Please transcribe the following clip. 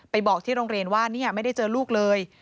บอกที่โรงเรียนว่าไม่ได้เจอลูกเลย